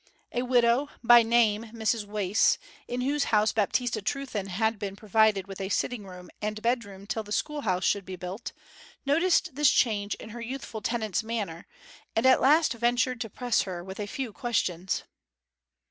A widow, by name Mrs Wace, in whose house Baptista Trewthen had been provided with a sitting room and bedroom till the schoolhouse should be built, noticed this change in her youthful tenant's manner, and at last ventured to press her with a few questions.